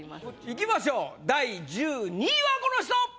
いきましょう第１２位はこの人！